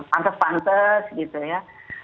pantes pantes gitu ya